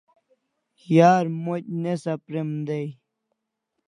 Yar moc' ne sapr'em day